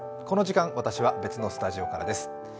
この時間、私は別のスタジオからです。